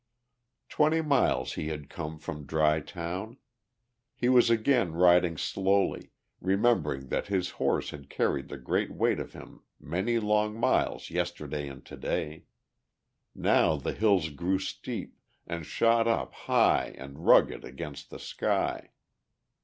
Twenty miles he had come from Dry Town. He was again riding slowly, remembering that his horse had carried the great weight of him many long miles yesterday and today. Now the hills grew steep and shot up high and rugged against the sky.